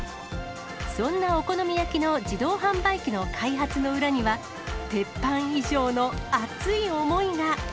そんなお好み焼きの自動販売機の開発の裏には、鉄板以上の熱い思いが。